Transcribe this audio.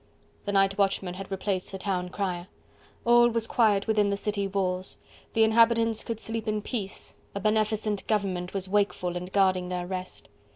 The night watchman had replaced the town crier. All was quiet within the city walls: the inhabitants could sleep in peace, a beneficent government was wakeful and guarding their rest.